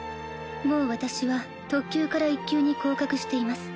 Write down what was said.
もう私は特級から１級に降格しています